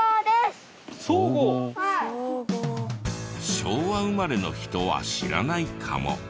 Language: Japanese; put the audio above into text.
昭和生まれの人は知らないかも。